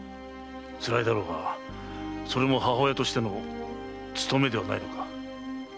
つらいだろうがそれも母親としての務めではないのか？